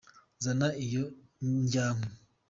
Zana iyo ndyankwi.